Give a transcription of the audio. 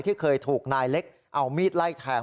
ที่เคยถูกนายเล็กเอามีดไล่แทง